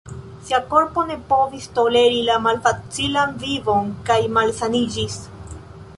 Sia korpo ne povis toleri la malfacilan vivon kaj malsaniĝis.